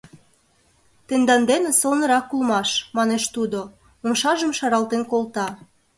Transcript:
— Тендан дене сылнырак улмаш, — манеш тудо, умшажым шаралтен колта.